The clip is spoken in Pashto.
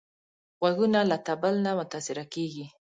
غوږونه له طبل نه متاثره کېږي